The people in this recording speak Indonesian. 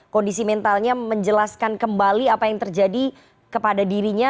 kondisi mentalnya menjelaskan kembali apa yang terjadi kepada dirinya